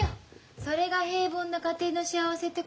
それが平凡な家庭の幸せってことよ。